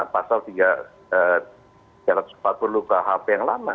pasal tiga ratus empat puluh khp yang lama